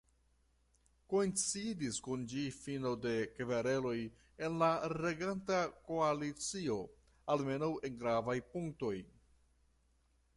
Koincidis kun ĝi fino de kvereloj en la reganta koalicio, almenaŭ en gravaj punktoj.